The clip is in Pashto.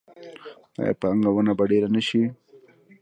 آیا پانګونه به ډیره نشي؟